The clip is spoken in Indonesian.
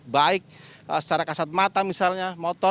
baik secara kasat mata misalnya motor